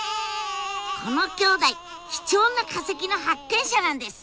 この兄弟貴重な化石の発見者なんです！